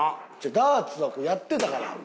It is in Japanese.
ダーツはやってたから。